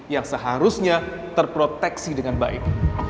yang seharusnya terproteksi dengan baik